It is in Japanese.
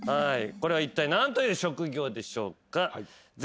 これはいったい何という職業でしょうか？